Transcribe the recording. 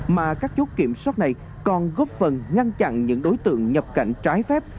mà các chốt kiểm soát này còn góp phần ngăn chặn những đối tượng nhập cảnh trái phép